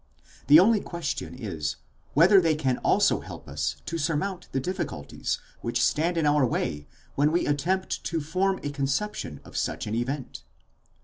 The only question is, whether they can also help us to surmount the difficulties which stand in our way when we attempt to form a conception of such an event?